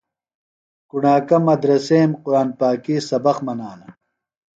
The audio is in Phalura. کُݨاکہ مدرسیم قُرآنی پاکی سبق منانہ۔